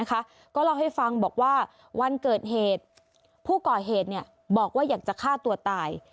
ก็เล่าให้ฟังบอกว่าวันเกิดเหตุผู้ก่อเหตุบอกว่าอยากจะฆ่าตัวตาย